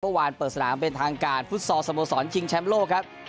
เมื่อวานเปิดสนามเป็นทางการฟุตซอร์สโมสรคิงแชมป์โลกครับ